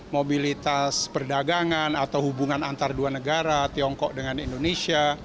mobilitas perdagangan atau hubungan antara dua negara tiongkok dengan indonesia